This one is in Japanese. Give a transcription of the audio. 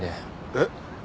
えっ？